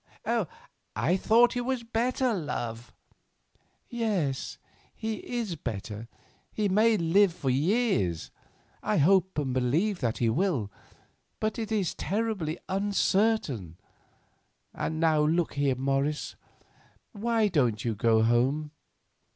"I thought he was better, love." "Yes, he is better; he may live for years; I hope and believe that he will, but it is terribly uncertain. And now, look here, Morris, why don't you go home?"